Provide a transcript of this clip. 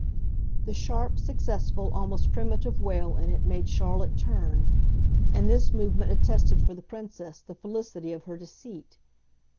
The sharp, successful, almost primitive wail in it made Charlotte turn, and this movement attested for the Princess the felicity of her deceit.